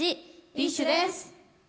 ＢｉＳＨです。